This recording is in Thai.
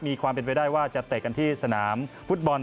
มีความเป็นไปได้ว่าจะเตะกันที่สนามฟุตบอล